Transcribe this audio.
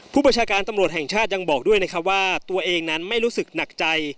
ประชาการตำรวจแห่งชาติยังบอกด้วยนะครับว่าตัวเองนั้นไม่รู้สึกหนักใจ